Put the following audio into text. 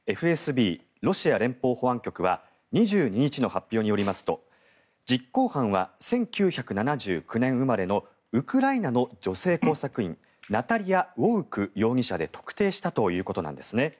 ＦＳＢ・ロシア連邦保安局は２２日の発表によりますと実行犯は１９７９年生まれのウクライナの女性工作員ナタリア・ウォウク容疑者で特定したということなんですね。